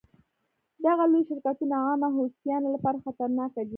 دغه لوی شرکتونه عامه هوساینې لپاره خطرناک دي.